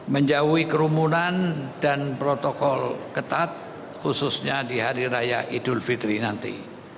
menjauhi kerumunan dan protokol ketat khususnya di hari raya idul fitri nanti